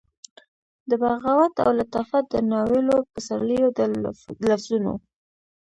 د بغاوت او لطافت د ناویلو پسرلیو د لفظونو،